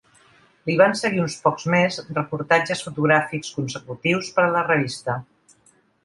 Li van seguir uns pocs més reportatges fotogràfics consecutius per a la revista.